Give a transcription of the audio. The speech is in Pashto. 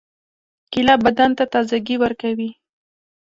کېله بدن ته تازګي ورکوي.